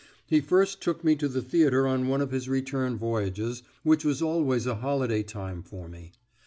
He first took me to the theatre on one of his return voyages, which was always a holiday time for me.